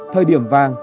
thời điểm vàng